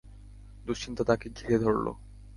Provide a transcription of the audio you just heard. দুশ্চিন্তা তাঁকে ঘিরে ধরল।